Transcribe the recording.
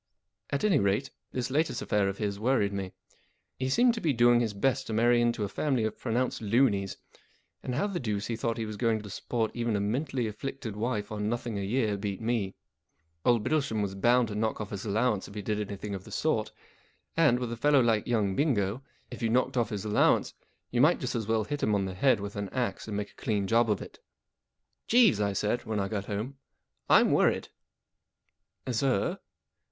At any rate, this latest affair of his worried me. He seemed to be doing his best to marry into a family of pronounced loonies, and how the deuce he thought he was going to support even a mentally afflicted wife on nothing a year beat me. Old Bittlesham was bound to knock off his allowance if he did anything of the sort ; and, with a fellow like young Bingo, if you knocked off his allowance, you might just as well hit him on the head with an axe and make a clean job of it. " Jeeves," I said, when I got home, "I'm worried." " Sir